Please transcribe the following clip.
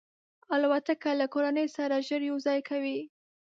الوتکه له کورنۍ سره ژر یو ځای کوي.